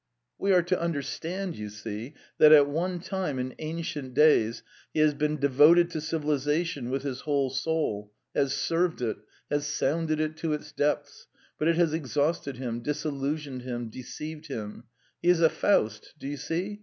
We are to understand, you see, that at one time, in ancient days, he has been devoted to civilisation with his whole soul, has served it, has sounded it to its depths, but it has exhausted him, disillusioned him, deceived him; he is a Faust, do you see?